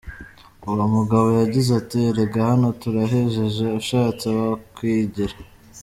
Uwo mugabo yagize ati: "Erega hano turahejeje, ushatse wokwigira.